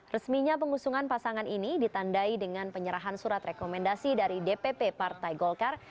resminya pengusungan pasangan ini ditandai dengan penyerahan surat rekomendasi dari dpp partai golkar